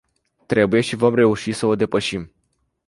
Trebuie și vom reuși să o depășim.